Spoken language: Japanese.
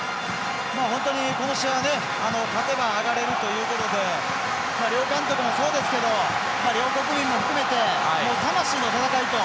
本当に、この試合は勝てば上がれるということで両監督もそうですけど両国民も含めて魂の戦いと。